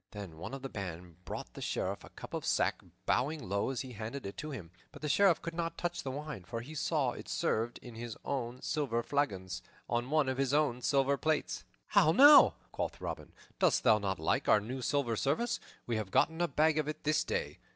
Then one of the band brought the Sheriff a cup of sack, bowing low as he handed it to him; but the Sheriff could not touch the wine, for he saw it served in one of his own silver flagons, on one of his own silver plates. "How now," quoth Robin, "dost thou not like our new silver service? We have gotten a bag of it this day."